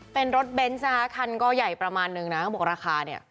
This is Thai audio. เป็นรถเบนส์นะคะคันก็ใหญ่ประมาณนึงนะเขาบอกราคาเนี่ย